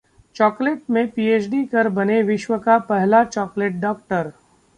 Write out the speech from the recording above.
chocolate में PhD कर बने विश्व का पहला 'चॉकलेट डॉक्टर'